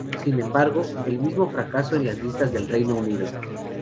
Sin embargo, el mismo fracaso en las listas del Reino Unido.